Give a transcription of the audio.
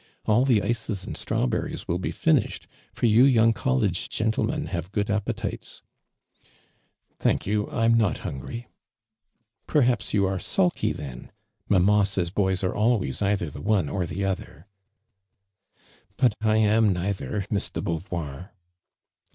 "All the ices and strawberries will be finished, for you young college gentlemen have good appetites." " 1 hank you, I am not hungry !"" Perhaps you are sulky then. Mamma says boys are always eitlier the one or tho other." " But I am neither, Miss de Beauvoir!"